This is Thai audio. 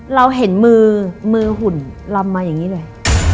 เราเห็นมือมือหุ่นลำมาอย่างนี้เลย